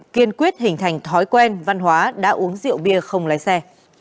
kiên quyết hình thành thói quen văn hóa đã uống rượu bia không lái xe